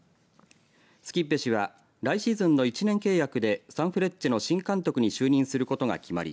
スキッベ氏は来シーズンの１年契約でサンフレッチェの新監督に就任することが決まり